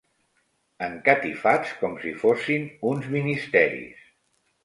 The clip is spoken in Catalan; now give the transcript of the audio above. Encatifats com si fossin uns ministeris